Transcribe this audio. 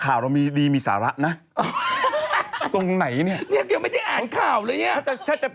ทำไมพี่รู้ว่าทำไมพี่แบบ